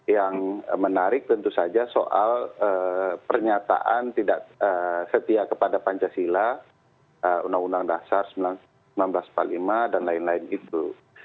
yang menarik tentu saja soal pernyataan tidak setia kepada pancasila undang undang dasar seribu sembilan ratus empat puluh lima dan lain lain itu